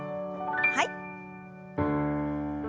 はい。